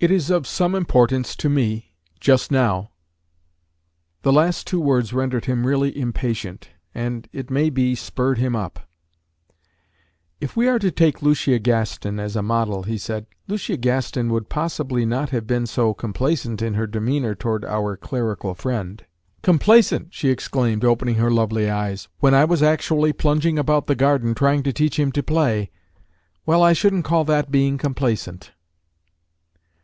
"It is of some importance to me just now." The last two words rendered him really impatient, and, it may be, spurred him up. "If we are to take Lucia Gaston as a model," he said, "Lucia Gaston would possibly not have been so complaisant in her demeanor toward our clerical friend." "Complaisant!" she exclaimed, opening her lovely eyes. "When I was actually plunging about the garden, trying to teach him to play. Well, I shouldn't call that being complaisant."